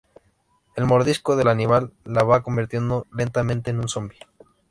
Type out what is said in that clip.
El mordisco del animal la va convirtiendo lentamente en un zombi.